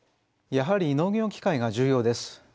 やはり農業機械が重要です。